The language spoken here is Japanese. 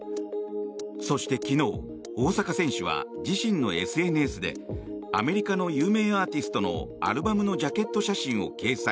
そして昨日大坂選手は自身のＳＮＳでアメリカの有名アーティストのアルバムのジャケット写真を掲載。